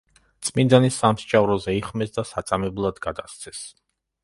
წმიდანი სამსჯავროზე იხმეს და საწამებლად გადასცეს.